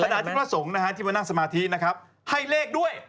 ภาษาที่ประสงค์ที่มานั่งสมาธินะครับให้เลขด้วย